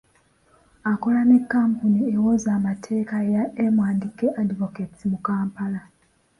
Akola ne kkampuni ewoza amateeka eya M and K Advocates, mu Kampala